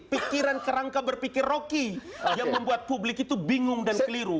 pikiran kerangka berpikir rocky yang membuat publik itu bingung dan keliru